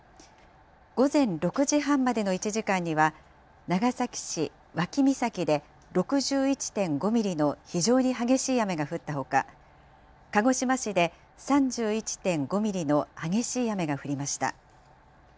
午前６時半までの１時間には、長崎市脇岬で６１．５ミリの非常に激しい雨が降ったほか、鹿児島市で３１．５ミリの激しい雨が降りました。